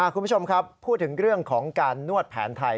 คุณผู้ชมครับพูดถึงเรื่องของการนวดแผนไทย